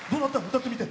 歌ってみて。